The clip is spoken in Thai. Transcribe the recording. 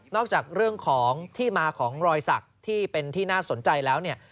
จากเรื่องของที่มาของรอยสักที่เป็นที่น่าสนใจแล้วเนี่ย